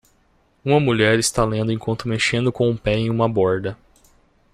Uma mulher está lendo enquanto mexendo com o pé em uma borda.